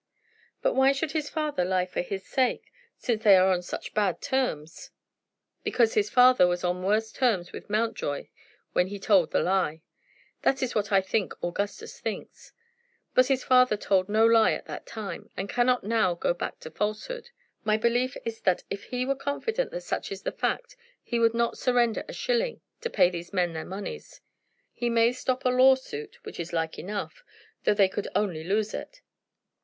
"But why should his father lie for his sake, since they are on such bad terms?" "Because his father was on worse terms with Mountjoy when he told the lie. That is what I think Augustus thinks. But his father told no lie at that time, and cannot now go back to falsehood. My belief is that if he were confident that such is the fact he would not surrender a shilling to pay these men their moneys. He may stop a lawsuit, which is like enough, though they could only lose it.